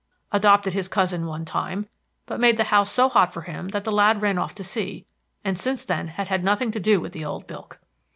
Adopted his cousin, one time, but made the house so hot for him that the lad ran off to sea, and since then had had nothing to do with the old bilk.